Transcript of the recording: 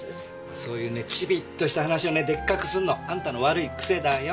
そういうねチビッとした話をねでっかくするのあんたの悪い癖だよ。